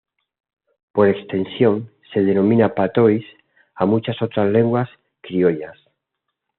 Por extensión, se denomina "patois" a muchas otras lenguas criollas.